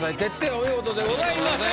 お見事でございました。